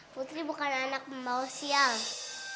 putri bukan anak pembawa sial